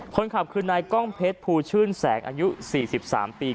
คนขับคือนายกล้องเพชรภูชื่นแสงอายุ๔๓ปี